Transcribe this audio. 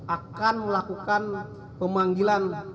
akan melakukan pemanggilan